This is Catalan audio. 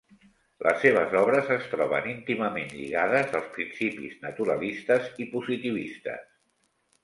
Les seves obres es troben íntimament lligades als principis naturalistes i positivistes.